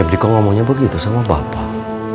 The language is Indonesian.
tapi kok ngomongnya begitu sama bapak